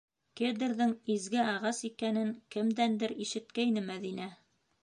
Кедрҙың изге ағас икәнен кемдәндер ишеткәйне Мәҙинә.